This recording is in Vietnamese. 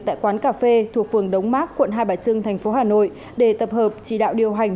tại quán cà phê thuộc phường đống mác quận hai bà trưng tp hà nội để tập hợp chỉ đạo điều hành